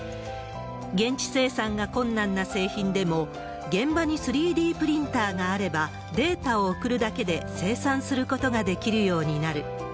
現地生産が困難な製品でも、現場に３Ｄプリンターがあれば、データを送るだけで生産することができるようになる。